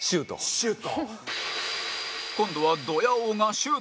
シュート？